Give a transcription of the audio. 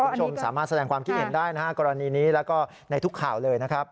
คุณผู้ชมสามารถแสดงความคิดเห็นได้นะฮะกรณีนี้แล้วก็ในทุกข่าวเลยนะครับ